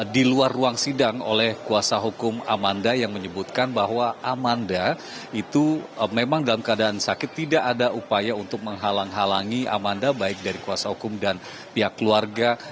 di luar ruang sidang oleh kuasa hukum amanda yang menyebutkan bahwa amanda itu memang dalam keadaan sakit tidak ada upaya untuk menghalang halangi amanda baik dari kuasa hukum dan pihak keluarga